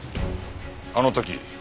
あの時？